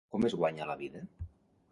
Com es guanya la vida?